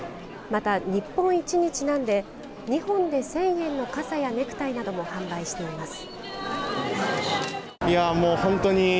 また日本一にちなんで２本で１０００円の傘やネクタイなども販売しています。